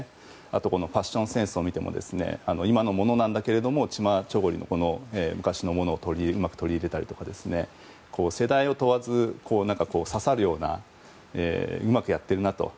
ファッションセンスを見ても今のものなんだけれどもチマチョゴリの、昔のものをうまく取り入れたりとか世代を問わず、刺さるようにうまくやっているなと。